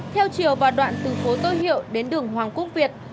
theo chiều và đoạn từ phố tô hiệu đến đường hoàng quốc việt